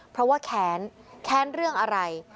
เพราะว่าแค้นแค้นเรื่องอะไร